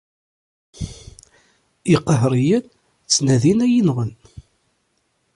Iqehriyen ttnadin ad iyi-nɣen.